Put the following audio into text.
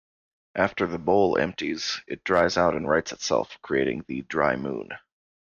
After the "bowl" empties, it dries out and rights itself, creating the "dry moon".